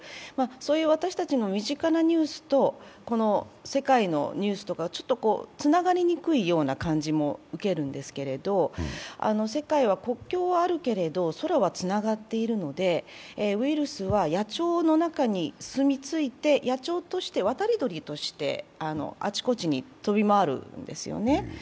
そういう私たちの身近なニュースと、この世界のニュースはちょっとつながりにくいような感じも受けるんですけれども、世界は国境はあるけれど、空はつながっているのでウイルスは野鳥の中にすみ着いて、野鳥として、渡り鳥としてあちこちに飛び回るんですよね。